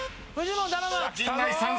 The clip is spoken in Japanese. ［陣内さん